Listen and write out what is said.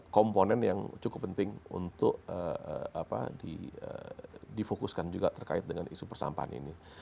komponen yang cukup penting untuk difokuskan juga terkait dengan isu persampahan ini